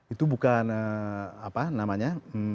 itu bukan apa namanya